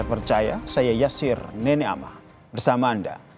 percaya saya yasir nene amah bersama anda